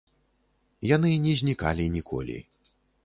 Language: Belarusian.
Яны не знікалі ніколі.